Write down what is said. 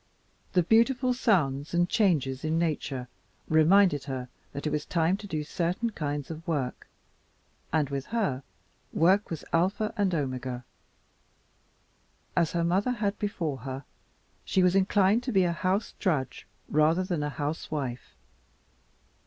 The beautiful sounds and changes in nature reminded her that it was time to do certain kinds of work, and with her, work was alpha and omega. As her mother had before her, she was inclined to be a house drudge rather than a housewife.